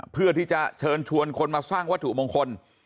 เพื่อที่จะเชิญชวนคนมาสร้างวัตถุมงคล